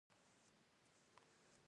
نجلۍ د خندا تمثیل ده.